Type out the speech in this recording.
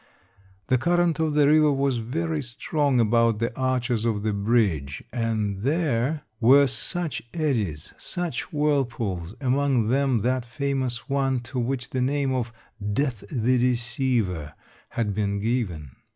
The current of the river was very strong about the arches of the bridge, and there were such 272 Monday Tales, eddies, such whirlpools, among them that famous one to which the name of ''Death the Deceiver'" had been given.